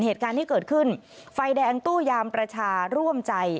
เหตุการณ์ที่เกิดขึ้นไฟแดงตู้ยามประชาร่วมใจ